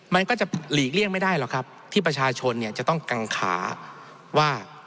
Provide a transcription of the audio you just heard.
มันก็จะหลีกเลี่ยงไม่ได้หรอกครับที่ประชาชนจะต้องกังขาว่า